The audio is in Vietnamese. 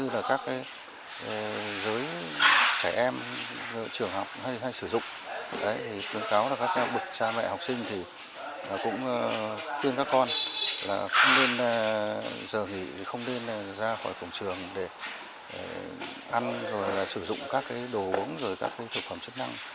rồi hậu quả sẽ ra khỏi cổng trường để ăn rồi sử dụng các đồ uống các thực phẩm chất năng